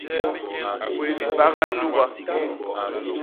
Mpaga nuga.